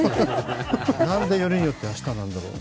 なんでよりによって明日なんだろう。